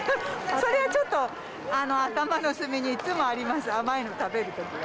それはちょっと頭の隅にいつもあります、甘いの食べるときは。